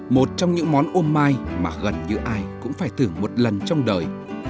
một trong những món ômai mà gần như ai cũng phải thử một lần trong đời